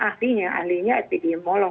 akhirnya ahlinya ahlinya epidemiolog